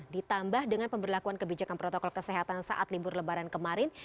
ditambah dengan pemberlakuan kebijakan protokol kesehatan saat libur lebaran kemarin